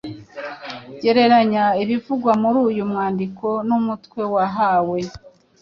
Gereranya ibivugwa muri uyu mwandiko n’umutwe wahawe.